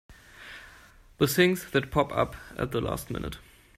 The things that pop up at the last minute!